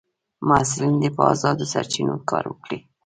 محصلین دي په ازادو سرچینو کار وکړي.